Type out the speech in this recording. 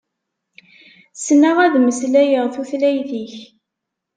Ssneɣ ad meslayeɣ tutlayt-ik.